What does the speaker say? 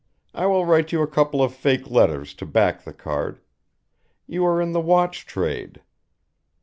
I will write you a couple of fake letters to back the card, you are in the watch trade.